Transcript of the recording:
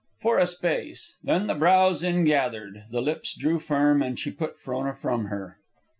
For a space, then the brows ingathered, the lips drew firm, and she put Frona from her.